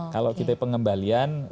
kalau kita pengembalian